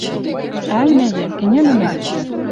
Ӓлмӓ йӓ, кӹньӹлмӓ!..